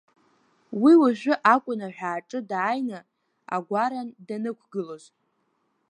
Уи уажәы акәын аҳәааҿы дааины, агәаран даннықәгылоз.